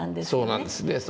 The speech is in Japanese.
そうなんですね。